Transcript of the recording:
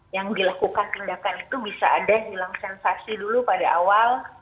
yang dilakukan tindakan itu bisa ada hilang sensasi dulu pada awal